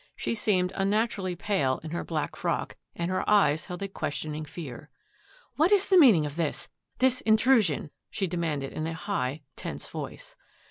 She seemed unnaturally pale in her black frock, and her eyes held a questioning fear. " What is the meaning of this — tiiis intru sion? " she demanded in high, tense voice.